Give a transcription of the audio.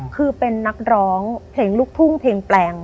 คือเป็นนักร้องเพลงลูกทุ่งเพลงแปลง